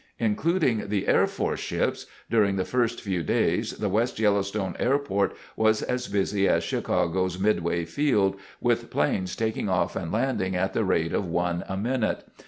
Including the Air Force ships, during the first few days the West Yellowstone Airport was as busy as Chicago's Midway Field, with planes taking off and landing at the rate of one a minute.